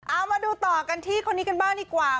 เอามาดูต่อกันที่คนนี้กันบ้างดีกว่า